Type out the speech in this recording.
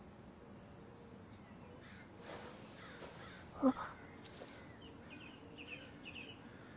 あっ。